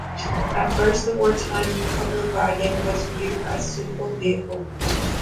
At first, the wartime Kubelwagen was viewed as a suitable vehicle.